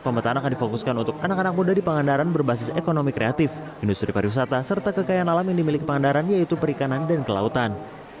pemetaan akan difokuskan untuk anak anak muda di pangandaran berbasis ekonomi kreatif industri pariwisata serta kekayaan alam yang dimiliki pangandaran yaitu perikanan dan kelautan